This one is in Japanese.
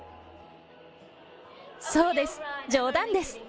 そうです、冗談です。